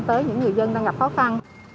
tới những người dân đang gặp khó khăn